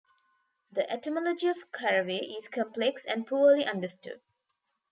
The etymology of caraway is complex and poorly understood.